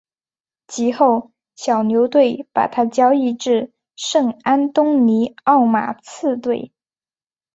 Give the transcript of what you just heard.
及后小牛队把他交易至圣安东尼奥马刺队。